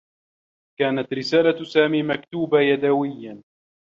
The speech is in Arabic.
كانت رسالة سامي مكتوبة يدويّا.